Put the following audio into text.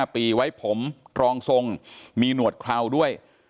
ปีไว้ผมรองทรงมีหนวดเคราด้วย